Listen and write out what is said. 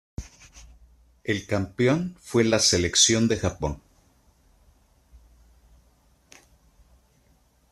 El campeón fue la selección de Japón.